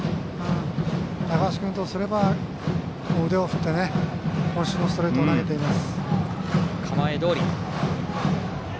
高橋君とすれば腕を振ってこん身のストレートを投げています。